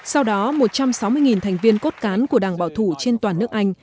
sau đó một trăm sáu mươi thành viên cốt cán của đảng bảo thủ trên toàn nước anh